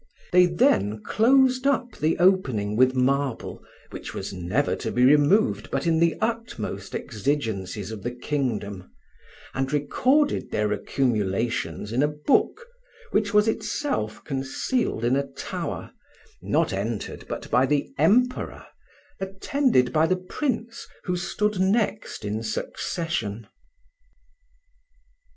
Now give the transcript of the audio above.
They then closed up the opening with marble, which was never to be removed but in the utmost exigences of the kingdom, and recorded their accumulations in a book, which was itself concealed in a tower, not entered but by the Emperor, attended by the prince who stood next in succession.